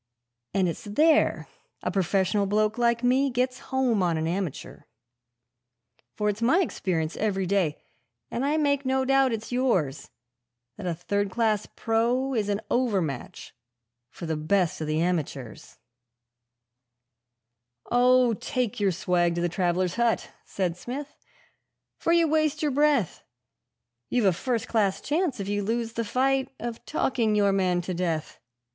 And it's there a professional bloke like me gets home on an amateur: For it's my experience every day, and I make no doubt it's yours, That a third class pro is an over match for the best of the amateurs ' 'Oh, take your swag to the travellers' hut,' said Smith, 'for you waste your breath; You've a first class chance, if you lose the fight, of talking your man to death.